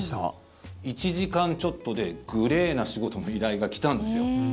１時間ちょっとでグレーな仕事の依頼が来たんですよ。